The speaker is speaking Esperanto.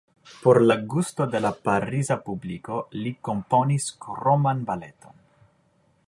Por la gusto de la Pariza publiko li komponis kroman baleton.